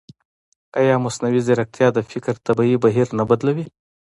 ایا مصنوعي ځیرکتیا د فکر طبیعي بهیر نه بدلوي؟